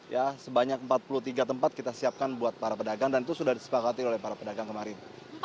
ya sebanyak empat puluh tiga tempat kita siapkan buat para pedagang dan itu sudah disepakati oleh para pedagang kemarin